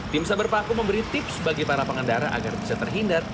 tim saber paku memberi tips bagi para pengendara agar bisa terhindar